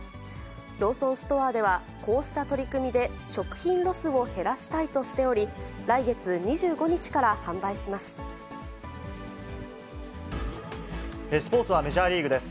ローソンストアでは、こうした取り組みで食品ロスを減らしたいとしており、来月スポーツはメジャーリーグです。